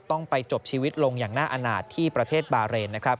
ต้องไปจบชีวิตลงอย่างน่าอาณาจที่ประเทศบาเรนนะครับ